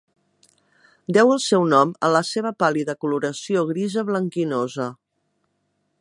Deu el seu nom a la seva pàl·lida coloració grisa blanquinosa.